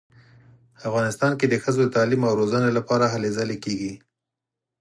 افغانستان کې د ښځو د تعلیم او روزنې لپاره هلې ځلې کیږي